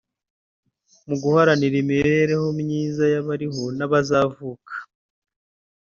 Mu guharanira imibereho myiza y’abariho n’abazavuka